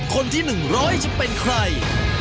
คนที่๑๐๐จะเป็นใคร